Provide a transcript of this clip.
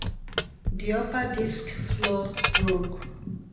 The upper disc's floor broke.